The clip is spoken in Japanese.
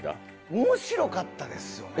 面白かったですよね。